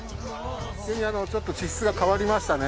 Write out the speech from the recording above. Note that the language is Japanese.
急にちょっと地質が変わりましたね。